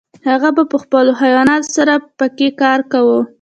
هغه به په خپلو حیواناتو سره پکې کار کاوه.